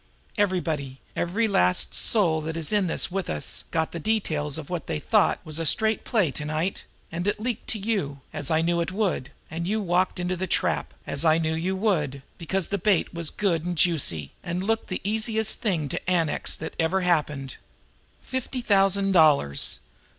Everybody, every last soul that is in with us, got the details of what they thought was a straight play to night and it leaked to you, as I knew it would; and you walked into the trap, as I knew you would, because the bait was good and juicy, and looked the easiest thing to annex that ever happened. Fifty thousand dollars!